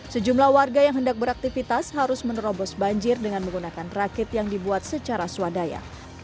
sejumlah warga yang hendak beraktivitas harus menerobos banjir dengan menggunakan rakit yang dibuat secara swadaya